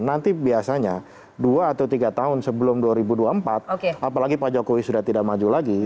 nanti biasanya dua atau tiga tahun sebelum dua ribu dua puluh empat apalagi pak jokowi sudah tidak maju lagi